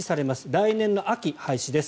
来年の秋、廃止です。